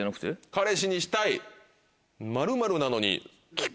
「彼氏にしたい○○なのに」。